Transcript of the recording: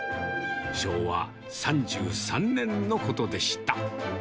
昭和３３年のことでした。